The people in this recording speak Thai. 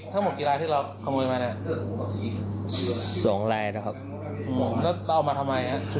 ทั้งหมดกีฬาที่เราขโมยมาเนี่ย๒ลายนะครับแล้วเอามาทำไมฮะ